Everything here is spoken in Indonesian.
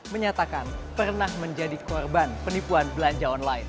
menyatakan pernah menjadi korban penipuan belanja online